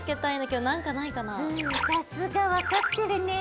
うんさすが分かってるねぇ。